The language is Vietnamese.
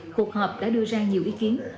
cuộc họp đã đưa ra nhiều ý kiến